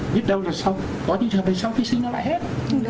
biết đâu là có những trường hợp này sau vi sinh nó lại hết